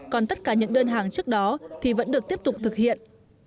còn tất cả những đơn hàng trước đó thì vẫn được tiếp tục thực hiện